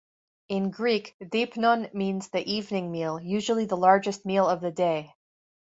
In Greek, deipnon means the evening meal, usually the largest meal of the day.